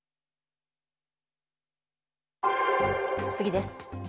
次です。